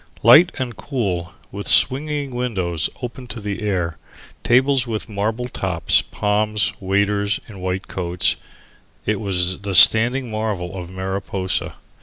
Light and cool, with swinging windows open to the air, tables with marble tops, palms, waiters in white coats it was the standing marvel of Mariposa.